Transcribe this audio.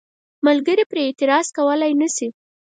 منکر پرې اعتراض کولای نشي.